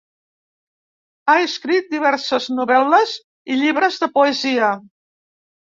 Ha escrit diverses novel·les i llibres de poesia.